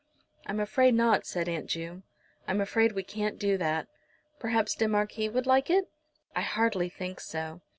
"I'm afraid not," said Aunt Ju. "I'm afraid we can't do that." "Perhaps de Marquis would like it?" "I hardly think so."